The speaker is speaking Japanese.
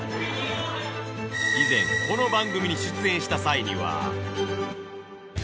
以前この番組に出演した際には